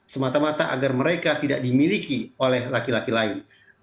semata mata agar mereka tidak dimiliki oleh laki laki lain